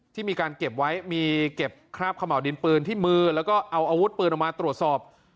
ที่มีการเก็บไว้มีเก็บคราบขม่าวดินปืนที่มือแล้วก็เอาอาวุธปืนออกมาตรวจสอบ